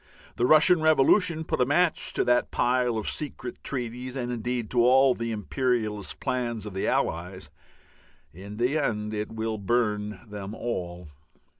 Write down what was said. The Russian revolution put a match to that pile of secret treaties and indeed to all the imperialist plans of the Allies; in the end it will burn them all.